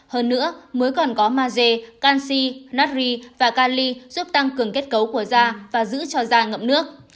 hơn nữa muối còn có maze canxi nutri và cali giúp tăng cường kết cấu của da và giữ cho da ngậm nước